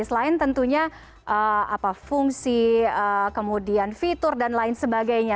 selain tentunya fungsi kemudian fitur dan lain sebagainya